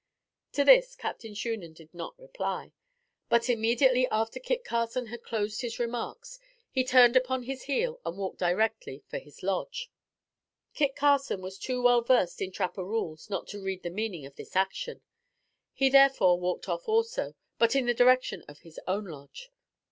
To this Captain Shunan did not reply; but, immediately after Kit Carson had closed his remarks, he turned upon his heel and walked directly for his lodge. Kit Carson was too well versed in trapper rules not to read the meaning of this action. He, therefore, walked off also; but, in the direction of his own lodge.